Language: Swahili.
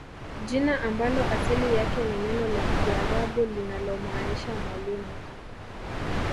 Jina ambalo asili yake ni neno la kiarabu linalomaanisha mwalimu